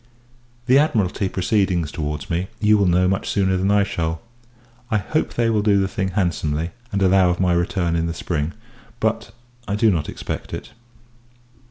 The Admiralty proceedings towards me, you will know much sooner than I shall. I hope they will do the thing, handsomely, and allow of my return in the spring; but, I do not expect it.